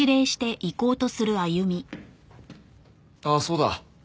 あっそうだ。